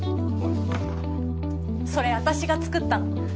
それ私が作ったの。